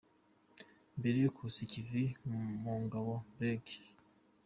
Mbere yo kusa ikivi mu ngabo, Brig.